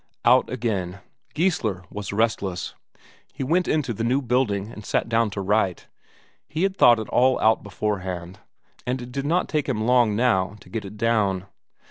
Out again. Geissler was restless, he went into the new building and sat down to write. He had thought it all out beforehand, and it did not take long now to get it down.